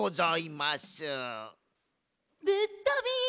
・ぶっとび！